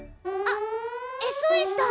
あっＳＯＳだ！